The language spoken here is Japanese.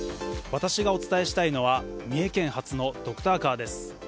私がお伝えしたいのは三重県初のドクターカーです。